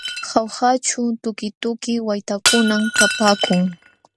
Jaujaćhu tukituki waytakunam kapaakun.